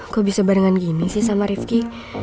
kok bisa barengan gini sih sama rifki